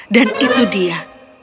dan itu dia